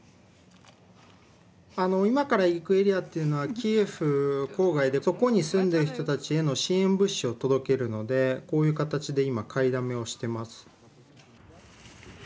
今から行くエリアっていうのはキエフ郊外でそこに住んでる人たちへの支援物資を届けるのでこういう形で今買いだめをしてます。